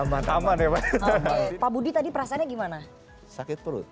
sesuai dengan menjadi anggap dari dua menteri ini sel peter jak integria dan ini dan bekerja realistic